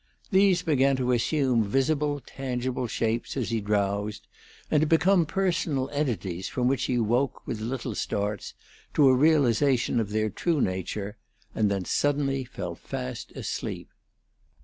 These began to assume visible, tangible shapes as he drowsed, and to became personal entities, from which he woke, with little starts, to a realization of their true nature, and then suddenly fell fast asleep.